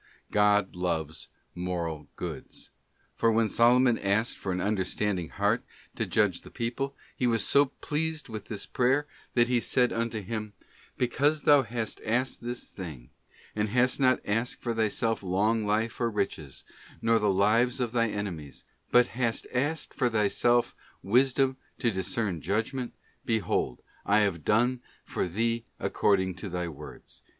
God loves moral goods: for when Solomon asked for an understanding heart to judge the people, He was so pleased with this prayer that He said unto him: ' Because thou hast asked this thing, and hast not asked for thyself long life or riches, nor the lives of thy ene mies, but hast asked for thyself wisdom to discern judgment, behold I have done for thee according to thy words